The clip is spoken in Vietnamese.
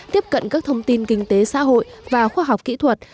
tiếp cận các thông tin kinh tế xã hội và khoa học kỹ thuật